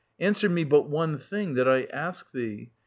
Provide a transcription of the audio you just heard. Answer me but one 990 thing that I ask thee.